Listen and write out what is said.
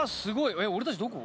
えっ俺たちどこ？